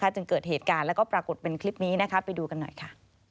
จึงเกิดเหตุการณ์แล้วก็ปรากฏเป็นคลิปนี้ไปดูกันหน่อยค่ะ